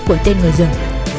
của tên người dân